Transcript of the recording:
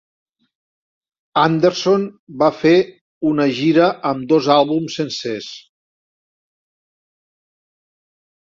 Anderson va fer una gira amb dos àlbums sencers.